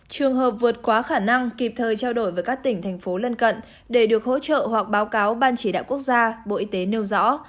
trường hợp vượt quá khả năng kịp thời trao đổi với các tỉnh thành phố lân cận để được hỗ trợ hoặc báo cáo ban chỉ đạo quốc gia bộ y tế nêu rõ